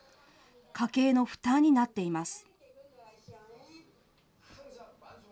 家計の負担になっています。